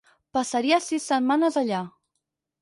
Passaria sis setmanes allà.